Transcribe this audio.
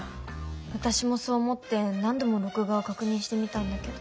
私もそう思って何度も録画を確認してみたんだけど。